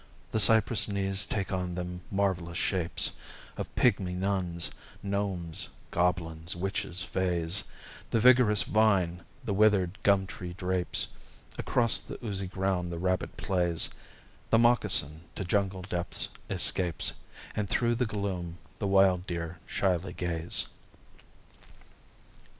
The cypress knees take on them marvellous shapes Of pygmy nuns, gnomes, goblins, witches, fays, The vigorous vine the withered gum tree drapes, Across the oozy ground the rabbit plays, The moccasin to jungle depths escapes, And through the gloom the wild deer shyly gaze.